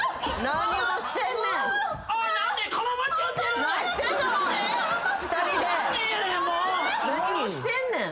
何をしてんねん？